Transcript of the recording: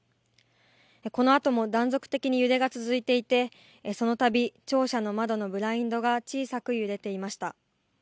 このあとも断続的に揺れが続いていてそのたび庁舎の窓のブラインドが小さく揺れていました。